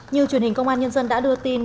như truyền hình công an nhân dân đã đưa tin